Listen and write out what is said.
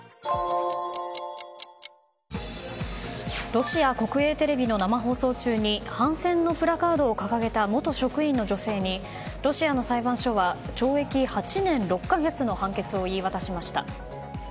ロシア国営テレビの生放送中に反戦のプラカードを掲げた元職員の女性にロシアの裁判所は懲役８年６か月の判決を言い渡しました。